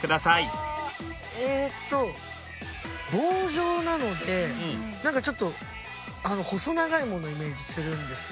えーっと棒状なのでなんかちょっと細長いものをイメージするんですよ。